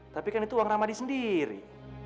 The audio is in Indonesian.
tapi kan itu uang ramadi sendiri